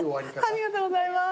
ありがとうございます。